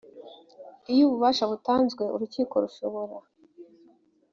iyo ububasha butanzwe urukiko rushobora